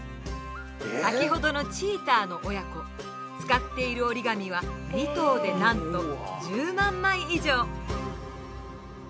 先ほどのチーターの親子使っている折り紙は２頭でなんと１０万枚以上。